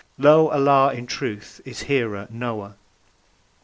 Lo! Allah in truth is Hearer, Knower.